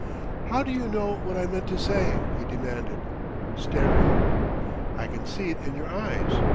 "How do you know what I meant to say?" he demanded, staring. "I can see it in your eyes.